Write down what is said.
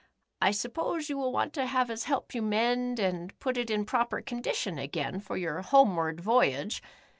I suppose you will w^ant to have us help you mend and put it in proper condition again, for your homeward voyage.